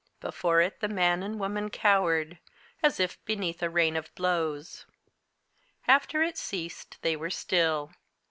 Before it the man and woman cowered, as if beneath a rain of blows. After it ceased they were still.